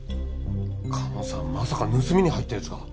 カモさんまさか盗みに入ったやつが。